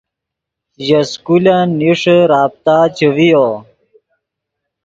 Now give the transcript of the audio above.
ژے سکولن نیݰے رابطہ چے ڤیو